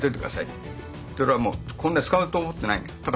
俺はもうこんな使うと思ってないのよ。